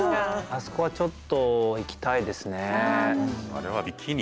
あそこはちょっと行きたいですね。